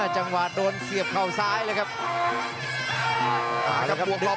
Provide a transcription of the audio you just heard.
จังหวะโดนเสียบเข่าซ้ายเลยครับ